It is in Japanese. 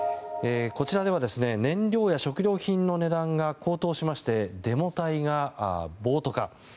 こちらでは燃料や食料品の値段が高騰しましてデモ隊が暴徒化。